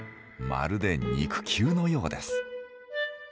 まるで肉球のようです。